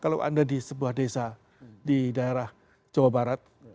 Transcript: kalau anda di sebuah desa di daerah jawa barat